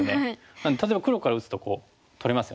なので例えば黒から打つとこう取れますよね。